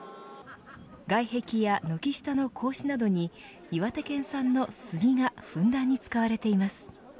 外壁や軒下の格子などに岩手県産のスギがふんだんに使われています。